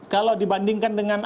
kalau dibandingkan dengan